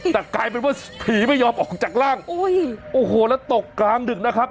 แต่กลายเป็นว่าผีไม่ยอมออกจากร่างโอ้โหแล้วตกกลางดึกนะครับ